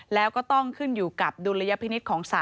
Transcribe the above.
แล้วก็ต้องขึ้นอยู่กับดุลยพินิษฐ์ของศาล